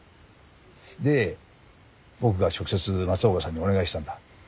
で僕が直接松岡さんにお願いしたんだ。